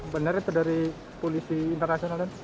benar itu dari polisi internasional kan